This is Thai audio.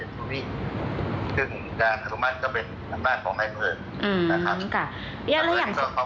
ซึ่งการธุมัติก็เป็นอำนาจของแม่เผลอ